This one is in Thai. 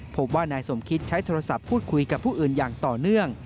พบว่านายสมคิดใช้โทรศัพท์พูดคุยกับผู้อื่นอย่างต่อเนื่อง